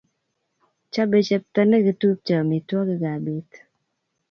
Chobe chepto nekitupche amitwogik ab pet